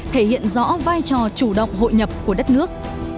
thể hiện rõ vai trò chủ động hội nhập của đất nước